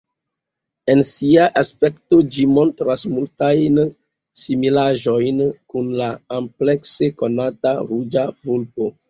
En sia aspekto ĝi montras multajn similaĵojn kun la amplekse konata Ruĝa vulpo.